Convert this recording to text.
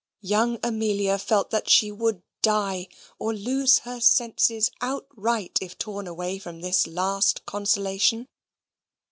Young Amelia felt that she would die or lose her senses outright, if torn away from this last consolation.